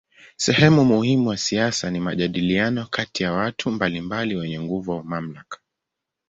Sehemu muhimu ya siasa ni majadiliano kati ya watu mbalimbali wenye nguvu au mamlaka.